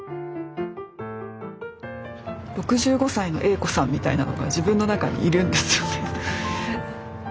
「６５歳のＡ子さん」みたいなのが自分の中にいるんですよね。